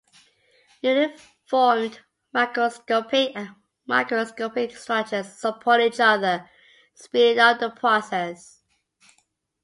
Newly formed macroscopic and microscopic structures support each other, speeding up the process.